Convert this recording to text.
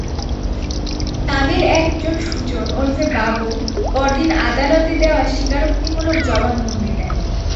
তাঁদের একজন সুজন ওরফে বাবু পরদিন আদালতে দেওয়া স্বীকারোক্তিমূলক জবানবন্দি দেন।